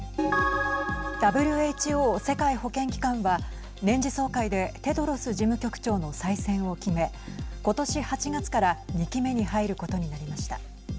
ＷＨＯ＝世界保健機関は年次総会でテドロス事務局長の再選を決めことし８月から２期目に入ることになりました。